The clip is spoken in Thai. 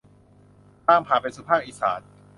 ทางผ่านไปสู่ภาคอีสาน